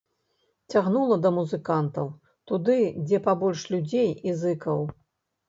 Цягнула да музыкантаў, туды, дзе пабольш людзей і зыкаў.